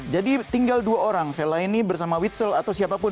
jadi tinggal dua orang vela ini bersama witzel atau siapapun